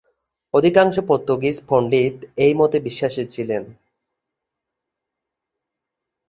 অধিকাংশ পর্তুগিজ পণ্ডিত এই মতে বিশ্বাসী ছিলেন।